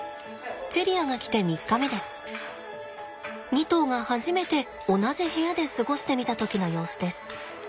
２頭が初めて同じ部屋で過ごしてみた時の様子です。